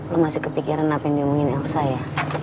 lo masih kepikiran apa yang diumungin elsa ya